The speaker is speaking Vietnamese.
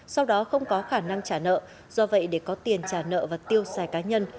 sau đó không có khả năng trả nợ do vậy để có tiền trả nợ và tiêu xài cá nhân